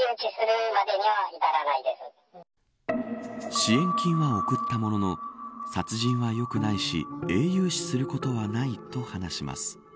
支援金は送ったものの殺人は良くないし英雄視することはないと話します。